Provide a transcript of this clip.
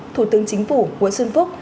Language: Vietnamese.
thủ tướng chính phủ nguyễn xuân phúc